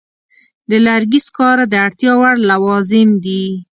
د لرګي سکاره د اړتیا وړ لوازم دي.